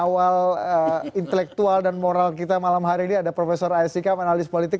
mengawal intelektual dan moral kita malam hari ini ada profesor aisyah kam analis politik